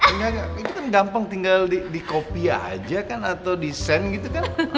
engga engga itu kan gampang tinggal di copy aja kan atau di send gitu kan